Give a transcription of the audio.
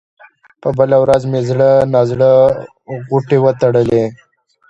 په بله ورځ مې زړه نا زړه غوټې وتړلې.